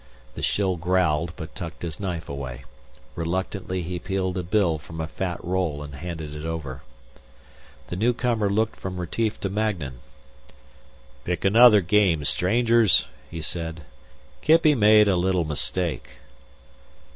The shill growled but tucked his knife away. Reluctantly he peeled a bill from a fat roll and handed it over. The newcomer looked from Retief to Magnan. "Pick another game, strangers," he said. "Kippy made a little mistake."